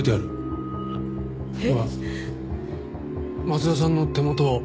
松田さんの手元。